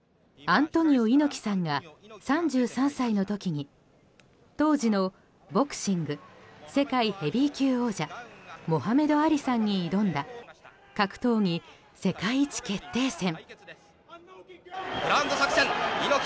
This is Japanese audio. アントニオ猪木さんが３３歳の時に当時のボクシング世界ヘビー級王者モハメド・アリさんに挑んだ格闘技世界一決定戦。